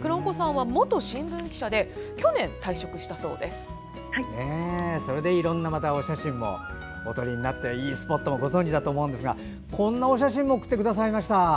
くろんこさんは元新聞記者でそれでいろんなお写真もおとりになっていいスポットもご存じだと思いますがこんなお写真も送ってくださいました。